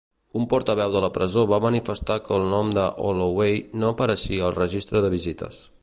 Un portaveu de la presó va manifestar que el nom de Holloway no apareixia al registre de visites.